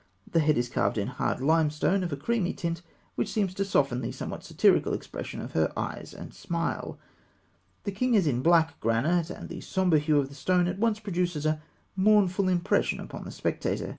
This head is carved in hard limestone of a creamy tint which seems to soften the somewhat satirical expression of her eyes and smile. The king (fig. 200) is in black granite; and the sombre hue of the stone at once produces a mournful impression upon the spectator.